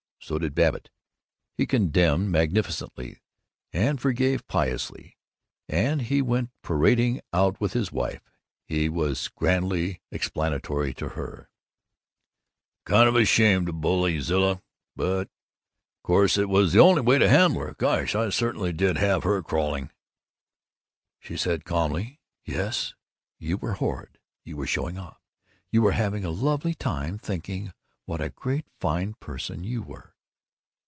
So did Babbitt. He condemned magnificently and forgave piously, and as he went parading out with his wife he was grandly explanatory to her: "Kind of a shame to bully Zilla, but course it was the only way to handle her. Gosh, I certainly did have her crawling!" She said calmly, "Yes. You were horrid. You were showing off. You were having a lovely time thinking what a great fine person you were!"